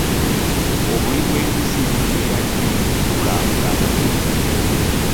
Obuli bw'enguzi bukugira nnyo enkulaakulana.